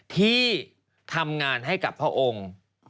ที่ทำงานให้กับพระองค์